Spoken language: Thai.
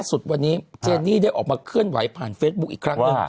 สุดวันนี้เจนี่ได้ออกมาเคลื่อนไหวผ่านเฟซบุ๊คอีกครั้งหนึ่ง